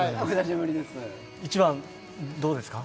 １番、どうですか？